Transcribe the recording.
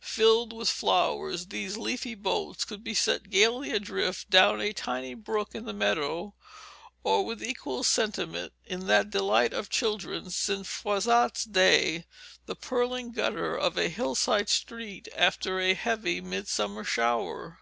Filled with flowers, these leafy boats could be set gayly adrift down a tiny brook in the meadow, or, with equal sentiment, in that delight of children since Froissart's day, the purling gutter of a hillside street after a heavy midsummer shower.